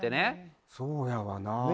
そうやわな。